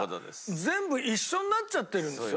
全部一緒になっちゃってるんですよ。